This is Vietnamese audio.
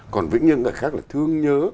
còn vĩnh nhân người khác là thương nhớ